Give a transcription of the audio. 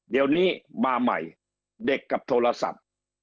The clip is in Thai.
เดี๋ยวนี้มาใหม่เด็กกับโทรศัพท์